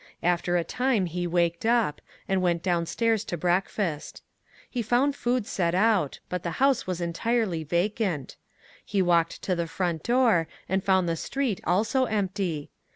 After a time he waked up, and went downstairs to breakfast. Hovf ound food set out, but the house was entirely vacant ; he walked to the front door and found the street also empty.